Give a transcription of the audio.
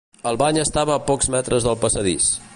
El bany estava a pocs metres pel passadís.